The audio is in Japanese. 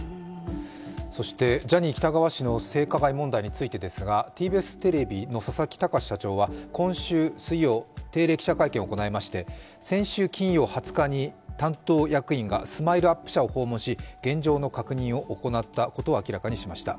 そしてジャニー喜多川氏の性加害問題についてですがＴＢＳテレビの佐々木卓社長は今週水曜、定例記者会見を行いまして、先週金曜、２０日に担当役員がＳＭＩＬＥ−ＵＰ．社を訪問し現状の確認を行ったことを明らかにしました。